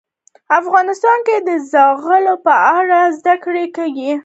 افغانستان کې د زغال په اړه زده کړه کېږي.